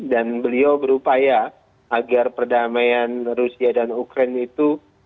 dan beliau berupaya agar perdamaian rusia dan ukraine itu